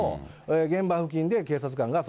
現場付近で警察官がそ